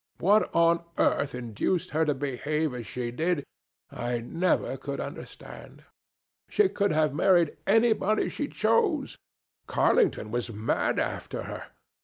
What on earth induced her to behave as she did, I never could understand. She could have married anybody she chose. Carlington was mad after her.